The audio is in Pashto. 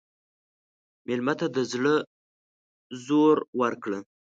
مېلمه ته د زړه زور ورکړه.